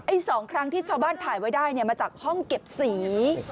๒ครั้งที่ชาวบ้านถ่ายไว้ได้เนี่ยมาจากห้องเก็บสี